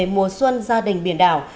mùa xuân gia đình biển đảo